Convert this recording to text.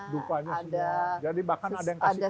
dupanya sudah jadi bahkan ada yang kasih tahu